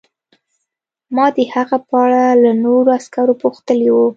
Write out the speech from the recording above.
ما د هغه په اړه له نورو عسکرو پوښتلي وو